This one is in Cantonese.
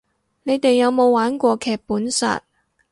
你哋有冇玩過劇本殺